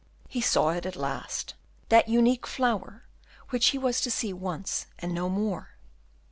He saw it at last, that unique flower, which he was to see once and no more.